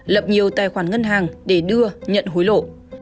lập nhiều tài khoản ngân hàng để đưa nhận hối lộ